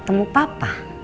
katanya mau ketemu papa